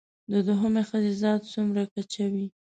د دوهمې ښځې ذات څومره کچه وي